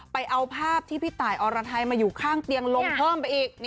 ไปเอาภาพที่พี่ตายอรไทยมาอยู่ข้างเตียงลงเพิ่มไปอีก